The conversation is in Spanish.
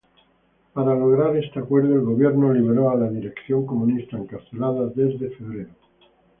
Para lograr este acuerdo, el Gobierno liberó a la dirección comunista, encarcelada desde febrero.